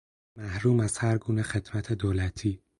محروم از هر گونه خدمت دولتی